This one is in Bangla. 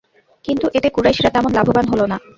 কিন্তু এতে কুরাইশরা তেমন লাভবান হল না।